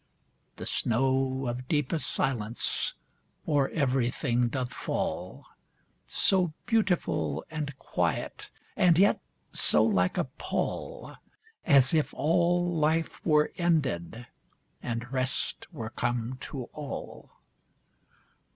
The snow of deepest silence O'er everything doth fall, So beautiful and quiet, And yet so like a pall, As if all life were ended, And rest were come to all.